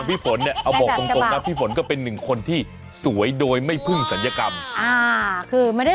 เพราะพ่อกับแม่ไงคะทำให้